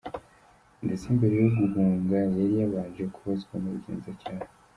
Ndetse mbere yo guhunga yari yabanje kubazwa n’ubugenzacyaha.